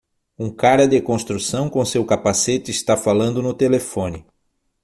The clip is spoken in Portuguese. Um cara de construção com seu capacete está falando no telefone.